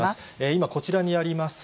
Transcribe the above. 今、こちらにあります